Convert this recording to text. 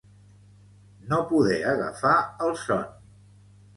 No poder agafar el son.